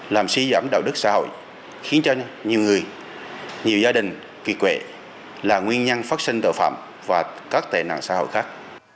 làm suy giảm đạo đức xã hội khiến cho nhiều người nhiều gia đình kỳ là nguyên nhân phát sinh tội phạm và các tệ nạn xã hội khác